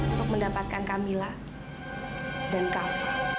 untuk mendapatkan kamila dan kafa